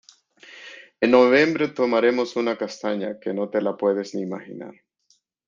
En noviembre tomaremos una castaña que no te la puedes ni imaginar.